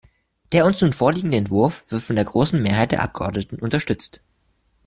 Der uns nun vorliegende Entwurf wird von der großen Mehrheit der Abgeordneten unterstützt.